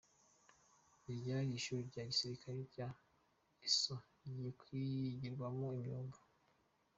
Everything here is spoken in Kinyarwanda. Iryari ishuri rya gisirikare rya Eso rigiye kwigirwamo imyuga